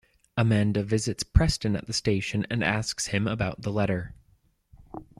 Amanda visits Preston at the station and asks him about the letter.